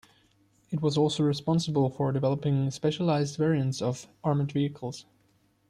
It was also responsible for developing specialised variants of armoured vehicles.